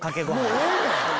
もうええねん！